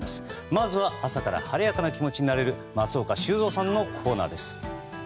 まずは朝から晴れやかな気持ちになれる松岡修造さんのコーナーです。